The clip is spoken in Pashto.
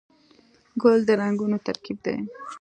ګل د رنګونو ترکیب دی.